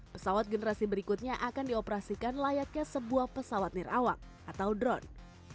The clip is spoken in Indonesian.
pesawat generasi berikutnya akan dioperasikan layaknya sebuah pesawat nirawak atau drone